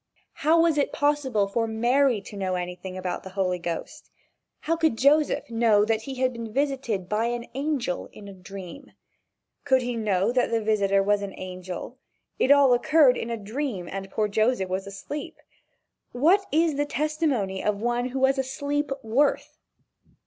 How was it possible for Mary to know anything about the Holy Ghost? How could Joseph know that he had been visited by an angel in a dream? Could he know that the visitor was an angel? It all occurred in a dream and poor Joseph was asleep. What is the testimony of one who was asleep worth?